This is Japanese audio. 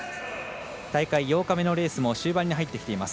大会８日目のレースも終盤に入ってきています。